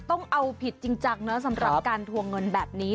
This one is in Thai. ต้องเอาผิดจริงจังนะสำหรับการทวงเงินแบบนี้